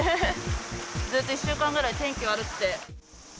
ずっと１週間ぐらい天気悪くて。